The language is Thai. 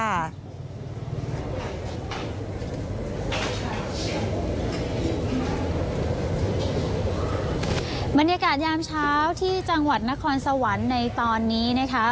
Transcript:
บรรยากาศยามเช้าที่จังหวัดนครสวรรค์ในตอนนี้นะคะ